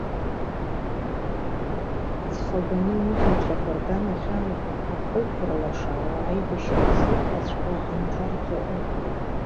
Ҵхагәаны анышәынҭрақәа рганахьала, ахәы ықәырлашаауа аибашьра ззырҳәаҵәҟьо анҭарҵо ыҟоуп.